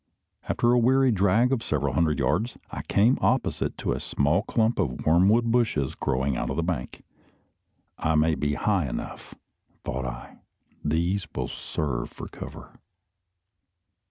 After a weary drag of several hundred yards, I came opposite to a small clump of wormwood bushes growing out of the bank. "I may be high enough," thought I; "these will serve for cover."